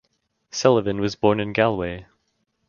Sullivan was born in Galway.